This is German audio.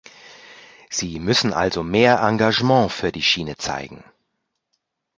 Sie müssen also mehr Engagement für die Schiene zeigen.